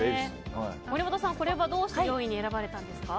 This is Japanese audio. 森本さん、これはどうして４位に選ばれたんですか？